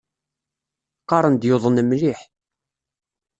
Qqaren-d yuḍen mliḥ.